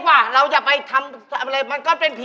ใครจะก้าดให้กลับมาอย่างนี้